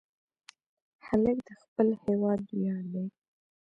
هلک د خپل هېواد ویاړ دی.